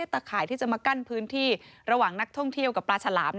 ข่ายที่จะมากั้นพื้นที่ระหว่างนักท่องเที่ยวกับปลาฉลาม